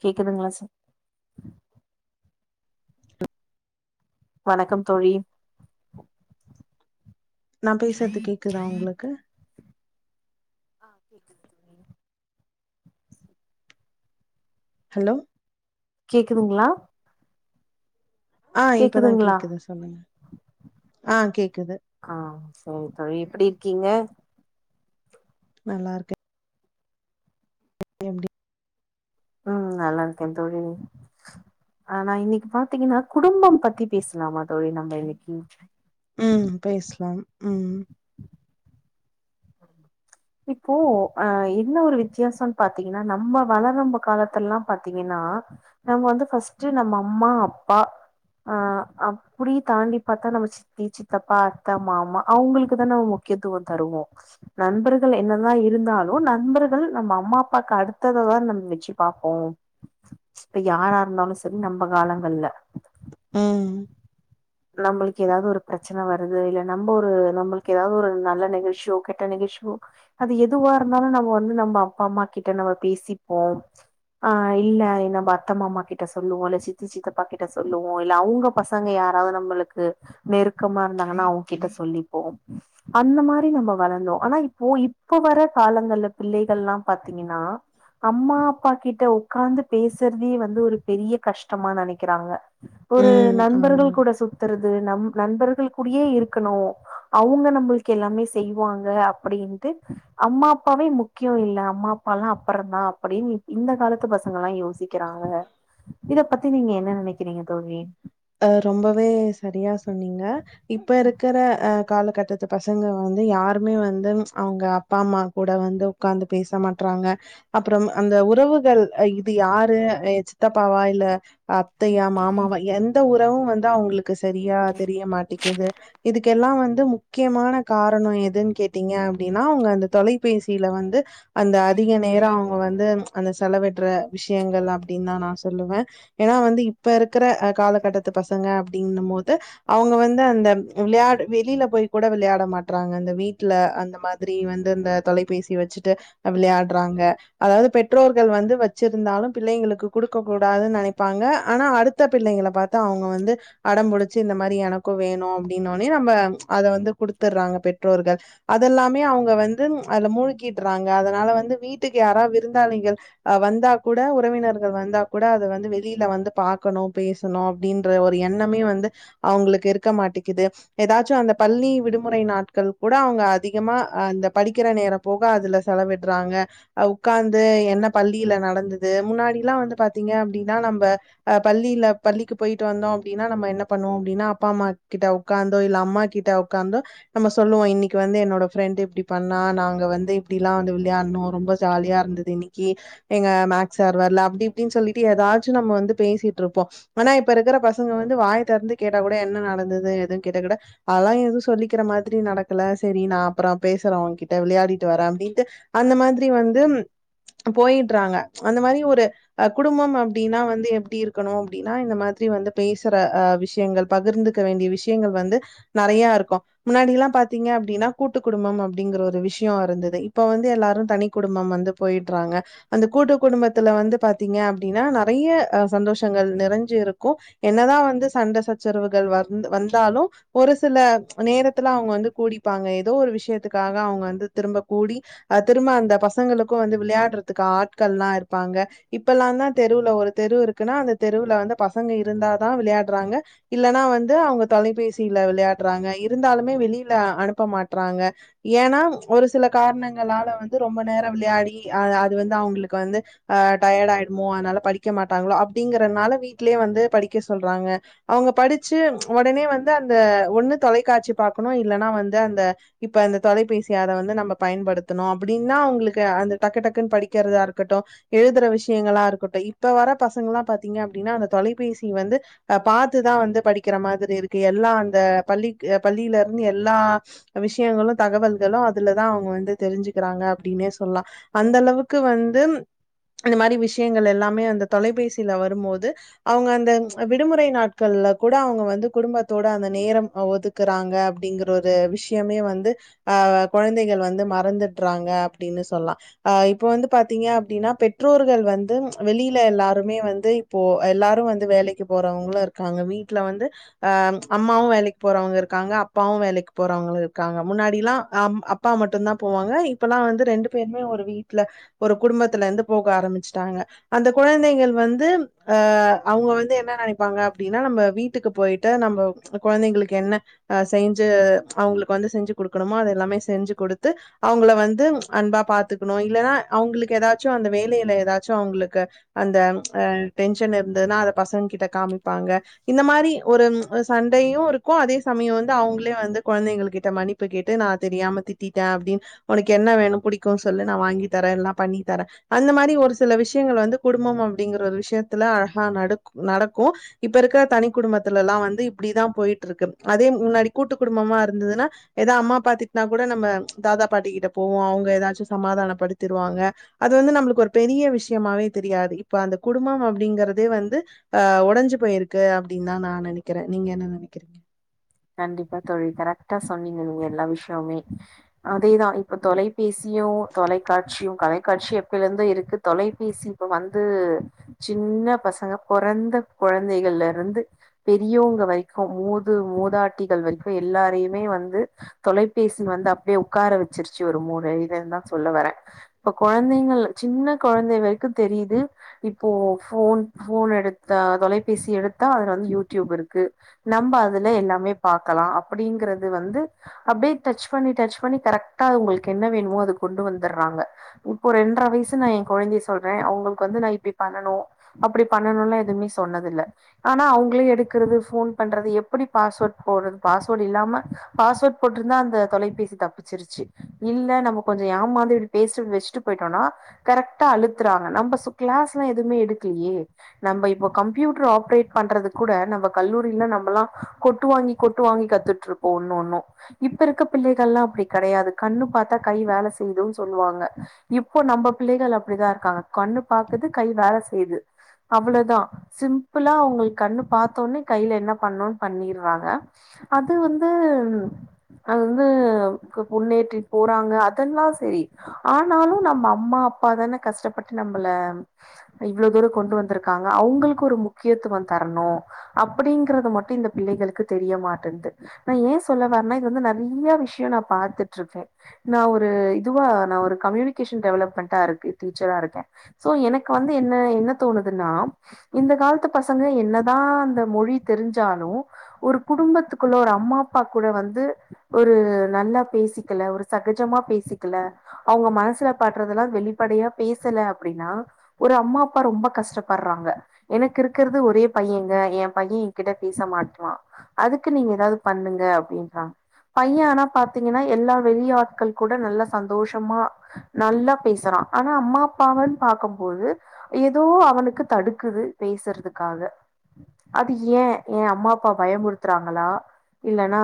கேக்குதுங்ளா ச வணக்கம் தோழி நா ஆ பேசுறது கேக்குதா உங்ளுக்கு ஆ கேக்குது நி ஹலோ கேக்குதுங்ளா ஆ இப்பதா கேக்குதுங்களா கேக்குது சொல்லுங்க ஆ கேக்குது ஆ சரி தோழி எப்டி இருக்கீங்க நல்லா இருக்கே எம் டி ம் நல்லா இருக்கேன் தோழி நீ ஆ நா இன்னைக்கு பாத்தீங்கன்னா குடும்பம் பத்தி பேசலாமா தோழி நம்ப இன்னைக்கு ம் பேஸ்லாம் ம் இப்போ அ என்ன ஒரு வித்தியாசம் பாத்தீங்கன்னா நம்ம வளரும் காலத்துல எல்லா பாத்தீங்கன்னா நம்ம வந்து ஃபஸ்ட் நம்ம அம்மா அப்பா ஆ அப்டி தாண்டி பாத்தா நம்ம சி சித்தி சித்தப்பா அத்த மாமா அவங்ளுக்கு தான முக்கியத்துவம் தருவோ நண்பர் கள் என்னதா இருந்தாலு நண்பர்கள் நம்ம அம்மா அப்பாக்கு அடுத்தததான் நம்ம வச்சு பாப்போ இப்ப யாரா இருந்தாலு சரி நம்ம காலங்கள்ல ம் நம்மளுக்கு ஏதாவது ஒரு பிரச்சன வருது இல்ல நம்ம ஒரு நம்மளுக்கு ஏதாவது ஒரு நல்ல நிகழ்ச்சியோ கெட்ட நிகழ்ச்சியோ அது எதுவா இருந்தாலூ நம்ம வந்து நம்ம அப்பா அம்மா கிட்ட நம்ம பேசிப்போ ஆ இல்ல நம்ம அத்தமாமா கிட்ட சொல்லுவோ இல்ல சித்தி சித்தப்பா கிட்ட சொல்லுவோ இல்ல அவுங்க பசங்க யார் [unintelligible] நெருக்கமானாங்கனா அவங்ககிட்ட சொல்லிப்போ அந்த மாரி நம்ம வரனோ ஆனா இப்போ இப்ப வர காலங்கள்ல பிள்ளைகள்ல்லா பாத்தீங்கன்னா அம்மா அப்பா கிட்ட உக்காந்து பேசுறதே வந்து ஒரு பெரிய கஷ்டமா நெனைக்கிறாங்க ஒரு ம் நண்பர்கள் ஆமாங்க கூட சுத்துறது நம் நண்பர்கள் கூடேயே இருக்கணோ அவுங்க நம்மளுக்கு எல்லாமே செய்வாங்க அப்படின்ட்டு அம்மா அப்பாவே முக்கிய இல்ல அம்மா அப்பா எல்லா அப்புறம்தா அப்படின்னு இந்த காலத்து பசங்கலா யோசிக் க்கிறாங்க இத பத்தி நீங்க என்ன நெனைக்கிறீங்க தோழி அ ரொம்பவே சரியா சொன்னீங்க இப்ப இருக்கிற அ காலக்கட்டத்து பசங்க வந்து யாருமே வந்து அவங்க அப்பா அம்மா கூட வந்து உக்காந்து பேச மாட்றாங்க அப்புறோ அந்த உறவுகள் இது யாரு ஏ சித்தப்பாவா இல்ல அத்தையா மாமாவா எந்த உறவூ வந்து அவங்களுக்கு சரியா தெரிய மாட்டேகீது இதுக் இதுக்கெல்லா வந்து முக்கியமான காரணோ எதுன்னு கேட்டீங்க அப்டின்னா அவங்க அந்த தொலைபேசியில வந்து அந்த அதிக நேரோ அவங்க வந்து அந்த செலவிற்ற விஷயங்கள் அப்படின்னு தா நா சொல்லுவே ஏன்னா வந்து இப்ப இருக்கிற காலக் கட்டத்து பசங்க அப்டின்னூ போது அவங்க வந்து அந்த விளையாட் வெளியில போய் கூட வெளயாட மாட்றாங்க இந்த வீட்ல அந்த மாரி அப்டியே வந்து இந்த தொலைபேசி வெச்சுட்டு விளையாட்றாங்க அதாவது பெற்றோர்கள் வந்து வச்சிருந்தாலூ பிள்ளைங்களுக்கு கொடுக்க கூடாதுன்னு நெனைப்பாங்க ஆனா அடுத்த பிள்ளைங்கள பாத் து அவங்க வந்து அடம்பிடிச்சு இந்த மாரி எனக்கூ வேணூ அப்படின்னூட்னே நம்ம அத வந்து குடுத்துட்றாங்க பெற்றோர்கள் அதெல்லாமே அவங்க வந்து அதுல மூழ்க்கிட்றாங்க அதனால வந்து வீட்டுக்கு யாராவத் விருந்தாளிங்க அ வந்தா கூட உறவினர்கள் வந்தா கூட அத வந்து வெளியில வந்து பாக்கணோ பேசணோ அப்டின்ற ஒரு எண்ணமே வந்து அவங்களுக்கு இருக்க மாட்டேகிது ஏதாச்சூ அந்த பள்ளி விடுமுறை நாட்கள் கூட அவங்க அதிகமா அ அந்த படிக்கிற நேரம் போக அதில செலவிட்றாங்க அத் உக்காந்து என்ன பள்ளியில நடந்தது முன்னாடில்லா வந்து பாத்தீங்கனா அப்டின்னா நம்ப அ பள்ளியில பள்ளிக்கு போயிட்டு வந்தோ அப்படின்னா நம்ம ‌என்ன பண்ணுவோ அப்பிடின்னா அப்பா அம்மா கிட்ட உக்காந்தோ இல்ல அம்மா கிட்ட உக்காந்தோ நம்ம சொல்லுவோ இன்னிக்கி வந்து என்னோட ஃப்ரெண்ட் இப்படி பண்ணா நாங்க வந்து இப்பிடில்லா வந்து விளையாட்னோ ரொம்ப ஜாலியா இருந் இன்னிக்கி எங்க மேக்ஸார் வர்ல அப்படி இப்படின்னு சொல்லிட்டு ஏதாச்சு நம்ம வந்து பேசிட்டுருப்போ ஆனா இப்ப இருக்கிற பசங்க வந்து வாய தெர்ந்து கேட்டா கூட என்ன நடந்தது எதுன்னு கேட்டாக்கூட அதெல்லா எதுவூ சொல்லிக்கிற மாதிரி நடக்கல சரி நா அப்புறோ பேசுறே உங்கிட்ட விளையாடிட்டு வரே அப்டின்னுட்டு அந்த மாதிரி வந்தும் போயட்றாங்க அந்த மாதிரி ஒரு அ குடும்பம் அப்டின்னா வந்து எப்டி இருக்கணோ அப்டின்னா இந்த மாதிரி வந்து பேசுற விஷயங்கள் பகிர்ந்துக்க வேண்டிய விஷயங்கள் வந்து நெறய இருக்கோ முன்னாடில்லா பாரத்தீங்க அப்டின்னா கூட்டு குடும்பெ அப்படிங்கற ஒரு விஷயம் இருந்தது இப்ப வந்து எல்லாரூ தனி குடும்பம் வந்து போயிட்றாங்க அந்த கூட்டு குடும்பத்துல வந்து பாத்தீங்க அப்டின்னா நறயா அ சந்தோஷங்கள் நிறைஞ்சி இருக்கே என்னதா வந்து சண்டை சச்சரவுகள் வந் வந்தாலூ ஒரு சில நேரத்துல அவங்க வந்து கூடிப்பாங்க ஏதோ ஒரு விஷயத்துக்காக அவங்க வந்து திரும்ப கூடி அ திரும்ப அந்த பசங்களுக்கூ வந்து விளையாட்றதுக்கு ஆட்கள்ல்லா இருப்பாங்க இப்ப எல்லா தா தெருவுல ஒரு தெரு இருக்குன்னா அந்த தெருவுல வந்து பசங்க இருந்தாதா விளையாட்றாங்க இல்லனா வந்து அவங்க தொலைபேசியில விளையாட்றாங்க இருந்தாலுமே வெளியில அனுப்ப மாட்றாங்க ஏனா ஒரு சில கார்ணங்களால வந்து ரொம்ப நேரோ விளையாடி அ அது வந்து அவங்களுக்கு வந்து அ டயட் ஆயிடுமோ அதனால படிக்க மாட்டாங்களோ அப்டிங்கறனால வீட்லயே வந்து படிக்க சொல்றாங்க அவங்க படிச்சு ஒடனே வந்து அந்த ஒண்ணு தொலைக்காட்சி பாக்கணு இல்லன்னா வந்து அந்த இப்ப அந்த தொலைபேசி அத வந்து நம்ம பயன்படுத்தணு அப்டின்னா அவங்களுக்கு அந்த டக்கு டக்குன் படிக்கறதா இருக்கட்டு எழுதுற விஷியங்களா இருக்கட்டு இப்ப வர பசங்கலா பாத்தீங்க அப்டின்னா அந்த தொலைபேசி வந்து அ பாத்துதா வந்து படிக்கிற மாதிரி இருக்கு எல்லா அந்த பள்ளிக் அ பள்ளில இருந்து எல்லா விஷியங்களு தகவல்களு அதுலதா அவங்க வந்து தெரிஞ்சுக்கிறாங்க அப்டின்னே சொல்லா அந்த அளவுக்கு வந்தும் இந்த மாரி விஷியங்கள் எல்லாமே அந்த தொலைபேசில வரும்போது அவங்க அந்தம் அ விடுமுறை நாட்கள்ல கூட அவங்க வந்து குடும்பத்தோட அந்த நேரம் அ ஒதுக் குறாங்க அப்டிங்கற ஒரு விஷ்யமே வந்து ஆவ கொழந்தைகள் வந்து மறந்துட்றாங்க அப்டின்னு சொல்லா அ இப்போ வந்து பாத்தீங்க அப்டின்னா பெற்றோர்கள் வந்து வெளில எல்லா ருமே வந்து இப்போ எல்லாரும வந்து வேலைக்கு போறவங்களு இருக்காங்க வீட்ல வந்து அம் அம்மாவு வேலைக்கு போறவங்க இருக்காங்க அப்பாவு வேலைக்கு போறவங்க இருக்காங்க முன்னாடிலா அம் அப் பா மட்டுந்தா போவாங்க இப்பல்லா வந்து ரெண்டு பேருமே ஒரு வீட்ல ஒரு குடும்பத்துல இந்து போக ஆரமிச்சுட்டாங்க அந்த குழந்தைகள் வந்து அ அவங்க வந்து என்ன நெனைப்பாங்க அப்டின்னா நம்ம வீட்டுக்கு போயிட்டு நம்ப கொழந்தைங்களுக்கு என்ன அ செய்ஞ்சு அவங்களுக்கு வந்து செஞ்சு குடுக்கணுமோ அதது எல்லாமே செஞ்சு கொடுத்து அவங்கள வந்து அன்பா பாத்துக்கணு இல்லன்னா அவங்களுக்கு ஏதாச்சு அந்த வேலையில ஏதாச்சு அவங்களுக்கு அந்த அ டென்ஷன் இருந்துதுன்னா அத பசங்க கிட்ட காமிப்பாங்க இந்த மாரி ஒரும் அ சண்டையு இருக்கோ அதே சமயோ வந்து அவுங்ளே வந்து கொழந்தைங்களுக்கிட்ட மனி ப்பு கேட்டு நா தெரியாம திட்டிட்டே அப்டின் உனக்கு என்ன வேணு புடிக்கூ சொல்லு வாங்கி தரே எல்லா பண்ணி தரே அந்த மாரி ஒரு சில விஷியங்கள் வந்து குடும்பம் அப்டிங்கிற ஒரு விஷியத்துல அகா நடக் நடக்கூ இப்ப இருக்க தனி குடும்பத்துலலா வந்து இப்டிதா போயிட்டுருக்கு அதே முன்னாடி கூட்டு குடும்பமா இருந்துதுன்னா ஏதா அம்மா அப்பா திட்னா கூட நம்ம தாதா பாட்டிக்கிட்ட போவோ அவங்க ஏதாச்சு சமாதானப்படுத்திருவாங்க அது வந்து நம்மளுக்கு ஒரு பெரிய விஷியமாவே தெரியாது இப்ப அந்த குடும்பம் அப்டிங்கறதே வந்து அ ஒடஞ்சு போயிருக்கு அப்டின் தா நா நெனைக்கிறே நீங்க என்ன நெனக்கிறீங்க கண்டிப்பா தோழி கரெக்ட்டா சொன்னீங்க நீங்க எல்லா விஷியமே அதேதா இப்ப தொலை பேசியு தொலைக்காட்சியு கலைக்காட்சி எப்போயிலருந்தே இருக்கு தொலைபேசி இப்ப வந்து சின்ன பசங்க பொறந்த கொழந்தைகள்ல இருந்து பெரியவுங்க வரைக்கோ மூது மூதாட்டிகள் வரிக்கூ எல்லாரையுமே வந்து தொலைபேசி வந்து அப்டியே உக்கார வச்சிருச்சு ஒரு மூளையிலன் தா சொல்ல வர இப்ப கொழந்தைங்கள் சின்ன கொழந்தை வரைக்கூ தெரியிது இப்போ ஃபோன் ஃபோன் எடுத்தா தொலைபேசி எடுத்தா அதுல வந்து யூட்யூப் இருக்கு நம்ப அதுல எல்லாமே பாக்கலா அப்டிங்கறது வந்து அப்டியே டச் பண்ணி டச் பண்ணி கரெக்டா உங்களுக்கு என்ன வேணுமோ அத கொண்டு வந்துர்றாங்க இப்போ ரெண்ட்ர வயசு நா எ கொழந்தைய சொல்றே அவுங்களுக்கு வந்து நா இப்டி பண்ணனோ அப்டி பண்ணனோல்லா எதுவுமே சொன்னதுல்ல ஆனா அவுங்ளே எடுக்குறது ஃபோன் பண்றது எப்புடி பாஸ்வேர்ட் போட்றது பாஸ்வேட் இல்லாம பாஸ்வேட் போட்ருந்தா அந்த தொலைபேசி தப்பிச்சிருச்சி இல்ல நம்ம கொஞ்சோ ஏமாந்து இப்டி பேசிட்டு வெச்சுட்டு போயிட்டோன்னா கரெக்டா அழுத்துறாங்க நம்ம சு க்ளாஸ்ல்லா எதுமே எடுக்கலியே நம்ப இப்போ கம்ப்யூட்டர் ஆப்ரேட் பண்றது கூட நம்ப கல்லூரியில நம்பல்லா கொ ட்டு வாங்கி கொட்டு வாங்கி கத்துட்ருப்போ ஒன்னு ஒன்னோ இப்ப இருக்க பிள்ளைகள்லா அப்டி கடையாது கண்ணு பாத்தா கை வேல செய்துனு சொல்வாங்க இப்போ நம்ம பிள்ளைகள் அப்டிதா இருக்காங்க கண்ணுப் பாக்குது கை வேல செய்யுது அவ்வுளதா சிம்பிளா அவுங்களுக்கு கண்ணு பாத்தோன்னே கையில என்ன பண்ணோன்னு பண்ணிர் றாங்க அது வந்து அது வந்து கு முன்னேற்றி போறாங்க அதெல்லா செரி ஆனாலு நம்ம அம்மா அப்பா தான கஷ்டப்பட்டு நம்பள ஆ இவ்ளோ தூரோ கொண்டு வந்துருக்காங்க அவுங்களுக்கு ஒரு முக்கியத்துவோ தரனோ அப்டிங்கறத மட்டு இந்த பிள்ளைகளுக் க்குத் தெரிய மாட்டேன்து நா ஏ சொல்ல வரனா இது வந்து நெறைய விஷயோ நா பாத்துட்டு இருக்க நா ஒரு இதுவா நா ஒரு கம்யூனிகேஷன் டெவலப்மெண்ட்டா இருக்கு டீச்சரா இருக்க சோ எனக்கு வந்து என்ன என்ன தோணுதுன்னா இந்த காலத்துப் பசங்க என்னதா அந்த மொழி தெரிஞ்சாலு ஒரு குடும்பத்துக்குள்ள ஒரு அம்மா அப்பா கூட வந்து ஒரு நல்லா பேசிக்கல ஒரு சகஜமா பேசிக்கல அவுங்க மனசுல பட்றதுல்லா வெளிப்படையா பேசல அப்டின்னா ஒரு அம்மா அப்பா ரொம்ப கஷ்டப்பட்றாங்க எனக்கு இருக்கறது ஒரே பையங்க எ பைய எங்கிட்ட பேச மாட்றா அதுக்கு நீங்க ஏதாவது பண்ணுங்க அப்டின்றாங்க பைய ஆனா பாத்தீங்கன்னா எல்லா வெளியாட்கள் கூட நல்லா சந்தோஷமா நல்லா பேசுறா ஆனா அம்மா அப்பாவன்னு பாக்கும்போது ஏதோ அவனுக்கு தடுக்குது பேசுறதுக்காக அது ஏ எ அம்மா அப்பா பயமுறுத்துறாங்களா இல்லன்னா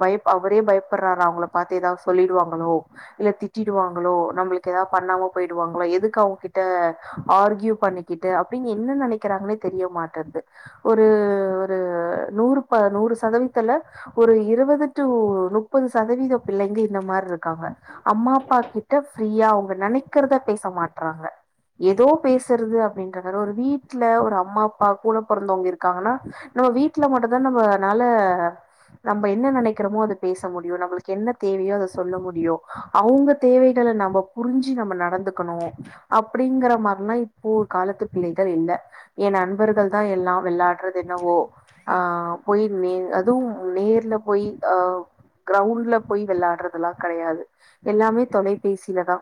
பயப் அவரே பயப்பறாரா அவங்கள பாத்து ஏதா சொல்லிடுவாங்களோ இல்ல திட்டிடுவாங்களோ நம்மளுக்கு எதா பண்ணாம போயிடுவாங்களோ எதுக்கு அவுங்கிட்ட ஆர்க்யூ பண்ணி க்கிட்டு அப்டின்னு என்ன நெனைக்கிறாங்கன்னே தெரிய மாட்டன்து ஒரு ஒரு நூறு ப நூறு சதவீத்துல ஒரு இருவது டூ முப்பது சதவீத பிள்ளைங்க இந்த மாரி இரு க்காங்க அம்மா அப்பாக்கிட்ட ஃப்ரீயா அவங்க நெனைக்கிறத பேச மாட்றாங்க ஏதோ பேசுறது அப்டின்றத ஒரு வீட்ல ஒரு அம்மா அப்பா கூட பொறந்தவங்க இருக்காங்கன்னா நம்ம வீட்ல மட்டுந்தா நம்மனால நம்ப என்ன நெனைக்கிறோமோ அத பேச முடியு நம்மளுக்கு என்ன தேவையோ அத சொல்ல முடியு அவுங்க தேவைகள நம்ப புரிஞ்சு நம்ப நடந்துக்கனு அப்டிங்கிற மாரினா இப்போ காலத்து பிள்ளைகள் இல்ல என் நண்பர்கள் தா எல்லா விளாடுறது என்னவோ ஆ போய் நே அதுவும் நேர்ல போய் ஆ கிரவுண்ட்ல போய் விளாடுறதுல்லா கெடையாது எல்லாமே தொலைபேசியிலதா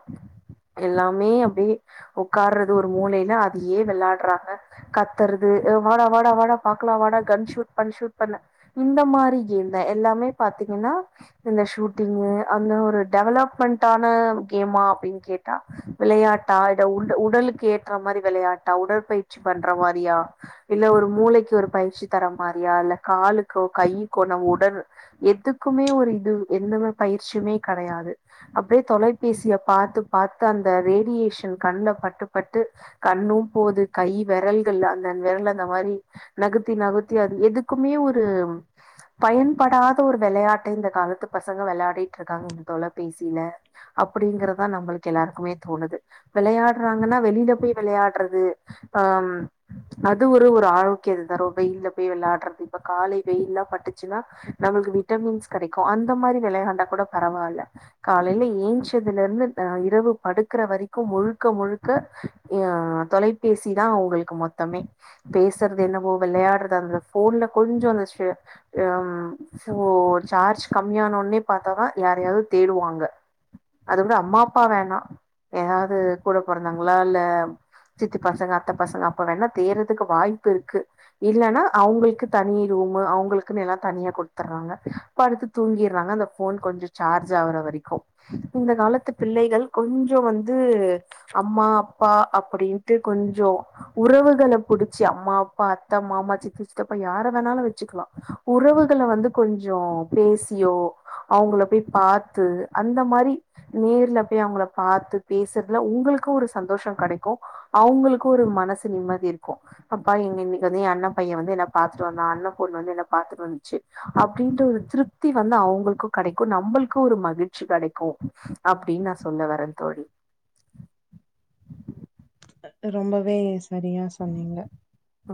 எல்லாமே அப்டியே உக்காறது ஒரு மூலையில அதையே விளாடுறாங்க கத்தறது ஆ வாடா வாடா வாடா பாக்கலா வாடா கன் ஷூட் பன் ஷூட் பண்ண இந்த மாரி கேம் தா எல்லாமே பாத்தீங்கன்னா இந்த ஷூட்டிங்கு அந்த ஒரு டெவலப்மெண்டான கேமா அப்டின்னு கேட்டா விளையாட்டா இட உள் உடலுக்கு ஏற்ற மாரி விளையாட்டா உடற்பயிற்சி பண்ற மாரியா இல்ல ஒரு மூளைக்கு ஒரு பயிற்சி தர மாரியா இல்ல காலுக்கோ கையிக்கோ நம்ம உடல் எதுக்குமே ஒரு இது எந்த மாரி பயிற்சியுமே கெடையாது அப்டியே தொலைபேசிய பார்த்து பார்த்து அந்த ரேடியேஷன் கண்ல பட்டு பட்டு கண்ணும் போது கை வெரல்கள் அந்த வெரல் அந்த மாரி நகத்தி நகுத் த்தி ஆறு எதுக்குமே ஒரு பயன்படாத ஒரு விளையாட்ட இந்த காலத்து பசங்க விளாடிட்டு இருக்காங்க இந்த தொல பேசில அப்படிங்கறதா நம்பளுக்கு எல்லாத்துக்குமே தோணுது விளையாடுறாங்கன்னா வெளில போயி விளையாட்றது ஆ அது ஒரு ஒரு ஆரோக்கியத்த தரும் வெயில்ல போய் விளையாட்றது இப்ப காலை வெயில்லா பட்டுச்சுன்னா நம்மளுக்கு விட்டமின்ஸ் கெடைக்கும் அந்த மாறி விளையாண்டா கூட பரவால்ல காலையில ஏஞ்ச்சதுல இருந்து் இரவு படுக்கிற வரைக்கு முழுக்க முழுக்க ஆ தொலைபேசி தா அவங்களுக்கு மொத்தமே பேசுறது என்னமோ விளையாட்றது நேத்து அந்த ஃபோன்ல கொஞ்சோ மிஸ்ட்ரியா ம் சோ சார்ஜ் கம்மியான உட்னே பாத்தாதா யாரையாவது தேடுவோம் அங்க அது கூட அம்மா அப்பா வேணா ஏதாவது கூட பொறறந்தவங்களா இல்ல சித்தி பசங்க அத்தை பசங்க அப்ப வேணா தேட்றதுக்கு வாய்ப்பு இருக்கு இல்லன்னா அவுங்களுக்கு தனி ரூமு அவங்களுக்குன்னு எல்லா தனியா குடுத்துட்றாங்க படுத்து தூங்கிற்றாங்க அந்த ஃபோன் கொஞ்சோ சார்ஜ் ஆகுற வரைக்கும் இந்த காலத்து பிள்ளைகள் கொஞ்சோ வந்து அம்மா அப்பா அப்படின்ட்டு கொஞ்சோ உறவுகள புடிச்சு அம்மா அப்பா அத்தை மாமா சித்தி நித்தப்ப யார வேணாலும் வச்சுக்கலாம் உறவுகளை வந்து கொஞ்சோ பேசியோ அவங்கள போய் பாத்து அந்த மாறி நேர்ல போய் அவங்கள பாத்து பேசுறதுல உங்களுக்கும் ஒரு சந்தோஷம் கிடைக்கு அவங்களுக்கு ஒரு மனசு நிம்மதி இருக்கும் அப்பா எங்க இன்னைக்கு வந்து என் அண்ணன் பையன் வந்து என்ன பாத்துட்டு வந்தா அண்ணன் பொண்ணு வந்து என்ன பாத்துட்டு வந்துச்சு அப்படின்ற ஒரு திருப்தி வந்து அவங்களுக்கும் கிடைக்கும் நம்மளுக்கும் ஒரு மகிழ்ச்சி கிடைக்கும் அப்டின்னு நான் சொல்ல வரேன் தோழி ரொம்பவே சரியா சொன்னீங்க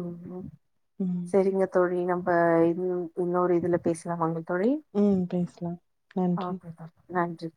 ஆமா உம் சேரிங்க தோழி நம்ம இது இன்னொரு இதுல பேசலாமாங்க தோழி ம் பேசலா நன்றி ஆக்கே ஷாப் நன்றி